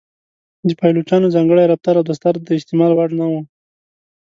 د پایلوچانو ځانګړی رفتار او دستار د استعمال وړ نه و.